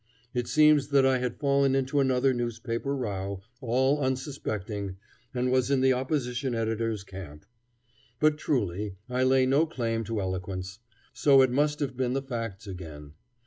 It seems that I had fallen into another newspaper row, all unsuspecting, and was in the opposition editor's camp. But, truly, I lay no claim to eloquence. So it must have been the facts, again.